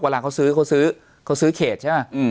เวลาเขาซื้อเขาซื้อเขาซื้อเขตใช่ไหม